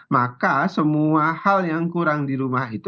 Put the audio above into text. maka semua hal yang kurang di rumah itu